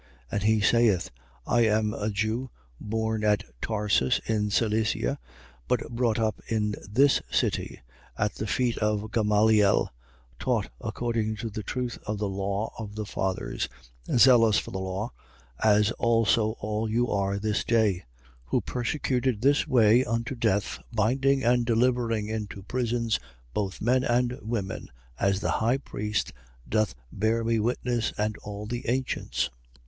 22:3. And he saith: I am a Jew, born at Tarsus in Cilicia, but brought up in this city, at the feet of Gamaliel, taught according to the truth of the law of the fathers, zealous for the law, as also all you are this day: 22:4. Who persecuted this way unto death, binding and delivering into prisons both men and women, 22:5. As the high priest doth bear me witness and all the ancients.